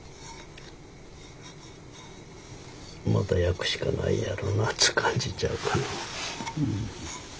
また焼くしかないやろうなっつう感じちゃうかな。